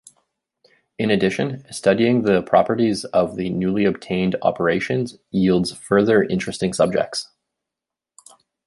In addition, studying the properties of the newly obtained operations yields further interesting subjects.